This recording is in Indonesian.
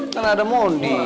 kan ada mondi